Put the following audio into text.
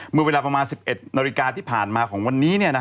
เมื่อเวลาประมาณ๑๑นาฬิกาที่ผ่านมาของวันนี้